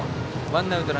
ワンアウト。